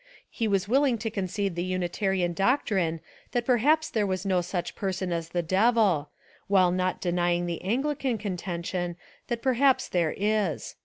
He was wiUing to con 303 Essays and Literary Studies cede the Unitarian doctrine that perhaps there is no such person as the devil, while not deny ing the Anglican contention that perhaps there is.